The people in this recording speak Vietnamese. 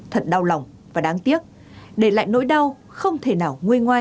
thật đau lòng và đáng tiếc để lại nỗi đau không thể nào nguôi ngoai